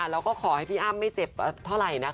แล้วก็ขอให้พี่อ้ำไม่เจ็บเท่าไหร่นะคะ